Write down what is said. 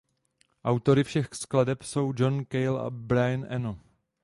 Autory všech skladeb jsou John Cale a Brian Eno.